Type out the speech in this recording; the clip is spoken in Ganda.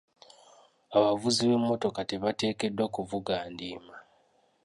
Abavuzi b'emmotoka tebateekeddwa kuvuga ndiima.